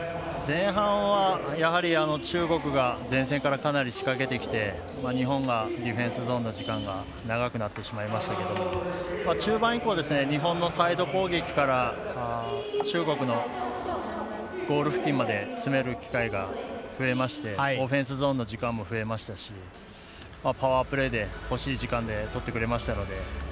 前半は中国が前線からかなり仕掛けてきて日本がディフェンスゾーンの時間が長くなってしまいましたが中盤以降、日本のサイド攻撃から中国のゴール付近まで詰める機会が増えましてオフェンスゾーンの時間も増えましたしパワープレーで、欲しい時間で取ってくれましたので。